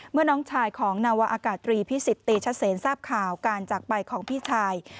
เมื่อน้องชายของนวาอากาศตรีพี่สิบตีชัดเสนท์ทราบข่าวการจักรไปของพี่ชาย